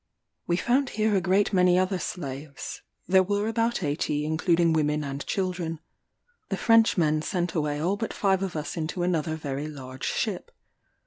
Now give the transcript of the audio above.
We found here a great many other slaves; there were about eighty, including women and children. The Frenchmen sent away all but five of us into another very large ship.